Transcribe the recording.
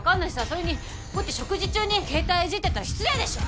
それにこうやって食事中に携帯いじってたら失礼でしょ！？